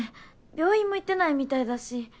病院も行ってないみたいだし。